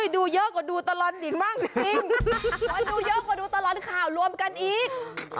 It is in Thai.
ดูเยอะกว่าดูตลอดอีกมากจริงคนดูเยอะกว่าดูตลอดข่าวรวมกันอีก